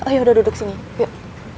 yaudah duduk sini yuk